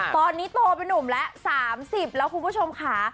ตอนนี้โตเป็นนุ่มแล้ว๓๐แล้วคุณผู้ชมค่ะ